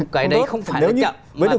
cái đấy không phải là chậm